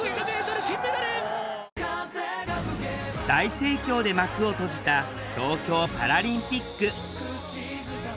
大盛況で幕を閉じた東京パラリンピック。